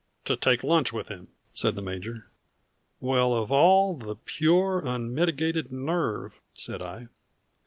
"To take lunch with him," said the major. "Well of all the pure unmitigated nerve!" said I.